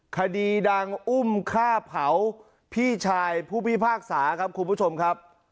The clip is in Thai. คดีดังอุ้มฆ่าเผาพี่ชายผู้พิพากษาครับคุณผู้ชมครับ